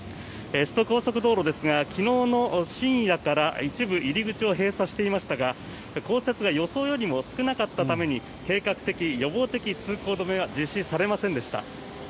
首都高速道路ですが昨日の深夜から一部入り口を閉鎖していましたが降雪が予想よりも少なかったために計画的・予防的通行止めは実施されませんでした。